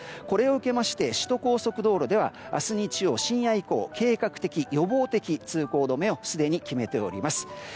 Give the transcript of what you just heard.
これを受けまして首都高速道路は明日深夜以降計画的、予防的通行止めをすでに決めています。